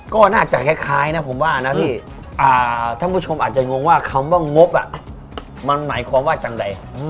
ก็น่าจะคล้ายนะผมว่านะพี่ท่านผู้ชมอาจจะงงว่าคำว่างบมันหมายความว่าจังใด